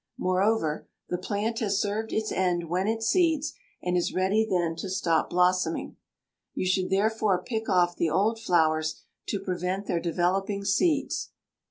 Moreover, the plant has served its end when it seeds and is ready then to stop blossoming. You should therefore pick off the old flowers to prevent their developing seeds.